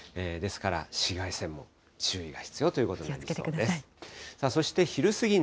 ですから、紫外線も注意が必要ということになりそうです。